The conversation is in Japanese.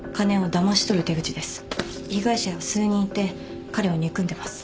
被害者は数人いて彼を憎んでます。